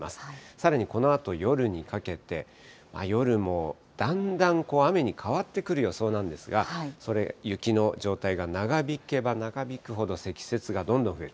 さらにこのあと夜にかけて、夜もだんだんこう、雨に変わってくる予想なんですが、それ、雪の状態が長引けば長引くほど、積雪がどんどん増える。